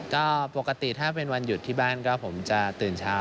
ก็ปกติถ้าเป็นวันหยุดที่บ้านก็ผมจะตื่นเช้า